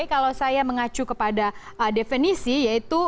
kalau saya mengacu kepada definisi yaitu